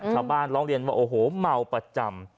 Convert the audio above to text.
ชาวบ้านร้องเรียนว่าโอ้โหเมาประจำ